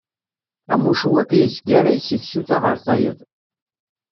Am ucewwiq yezgaray seg tsuta ɣer tayeḍ.